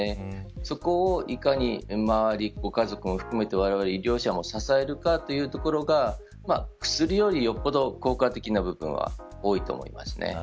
そこをいかに周り、ご家族も含めてわれわれ医療者も支えるかというところが薬より、よっぽど効果的な部分は多いと思います。